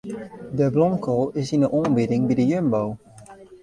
De blomkoal is yn de oanbieding by de Jumbo.